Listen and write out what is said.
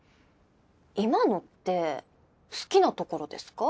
今のって好きなところですか？